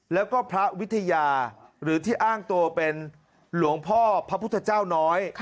แล้วก็พระวิทยาหรือที่อ้างตัวเป็นหลวงพ่อพระพุทธเจ้าน้อย